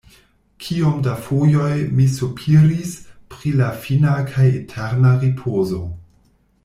Kiom da fojoj mi sopiris pri la fina kaj eterna ripozo.